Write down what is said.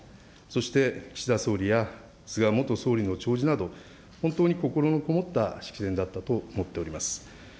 そして岸田総理や菅元総理の弔辞など、本当に心の込もった式典だったと思っております。